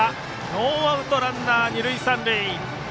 ノーアウトランナー、二塁三塁。